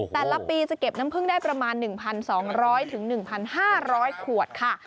แต่ละปีจะเก็บน้ำพึ่งได้ประมาณ๑๒๐๐๑๕๐๐ขวดค่ะ